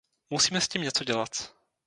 Musíme s tím něco dělat.